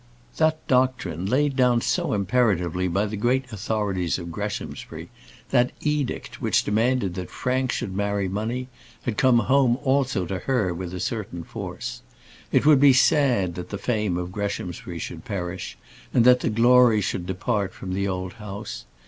That doctrine, laid down so imperatively by the great authorities of Greshamsbury, that edict, which demanded that Frank should marry money, had come home also to her with a certain force. It would be sad that the fame of Greshamsbury should perish, and that the glory should depart from the old house.